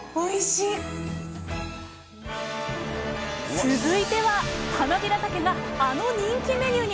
続いてははなびらたけがあの人気メニューに！